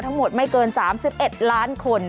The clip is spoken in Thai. ทั้งหมดไม่เกิน๓๑ล้านคน